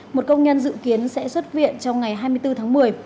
một công nhân dự kiến sẽ xuất viện trong ngày hai mươi bốn tháng một mươi